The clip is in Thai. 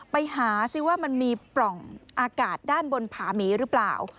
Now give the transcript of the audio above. ไปหาซิว่ามันมีปล่องอากาศด้านบนผาหมีหรือเปล่า